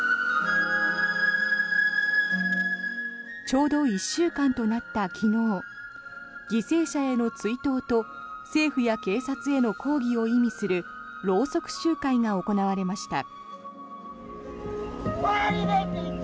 ちょうど１週間となった昨日犠牲者への追悼と政府や警察への抗議を意味するろうそく集会が行われました。